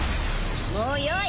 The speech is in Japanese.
もうよい！